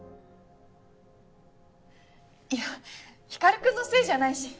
いや光君のせいじゃないし。